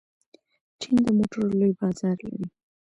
چین د موټرو لوی بازار لري.